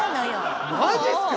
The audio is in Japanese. マジっすか？